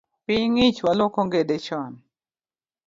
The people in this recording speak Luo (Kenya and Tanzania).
Piny ng’ich, waluok ongede chon